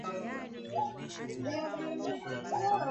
redio tabanga inafuata misingi ya weledi